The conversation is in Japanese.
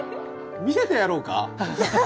見せてやろうか？